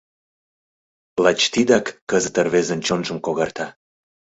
Лач тидак кызыт рвезын чонжым когарта.